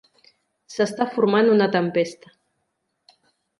S'està formant una tempesta.